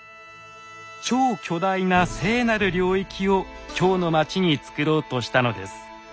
超巨大な「聖なる領域」を京の町につくろうとしたのです。